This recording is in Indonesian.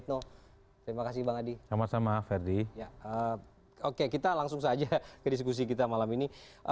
oke kita langsung saja ke diskusi kita malam ini